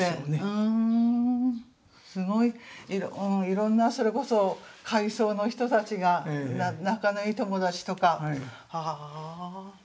すごいいろんなそれこそ階層の人たちが仲のいい友達とか。